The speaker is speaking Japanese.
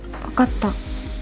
分かった。